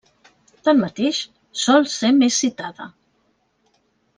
Tanmateix, sol ser més citada.